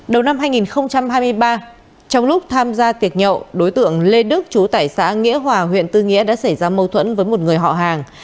đầu năm hai nghìn hai mươi ba trong lúc tham gia tiệc nhậu đối tượng lê đức chú tải xã nghĩa hòa huyện tư nghĩa đã xảy ra mâu thuẫn với một người họ hàng